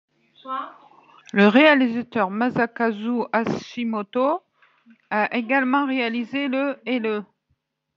Le réalisateur Masakazu Hashimoto a également réalisé le ' et le '.